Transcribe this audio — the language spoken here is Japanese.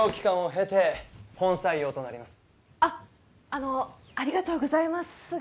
あのありがとうございます